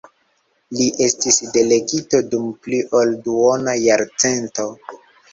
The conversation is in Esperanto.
Li estis delegito dum pli ol duona jarcento.